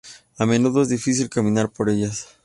A menudo es difícil caminar por ellas.